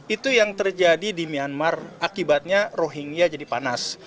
itu yang terjadi di myanmar akibatnya rohingya jadi panas